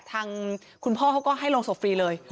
ทางคุณพ่อเขาก็ให้โรงศพฟรีเลย